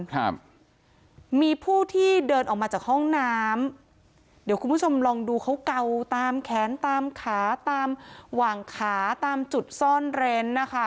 ครับมีผู้ที่เดินออกมาจากห้องน้ำเดี๋ยวคุณผู้ชมลองดูเขาเกาตามแขนตามขาตามหว่างขาตามจุดซ่อนเร้นนะคะ